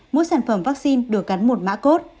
mỗi sản phẩm vaccine được gắn một mã cốt